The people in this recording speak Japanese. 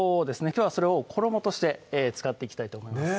きょうはそれを衣として使っていきたいと思います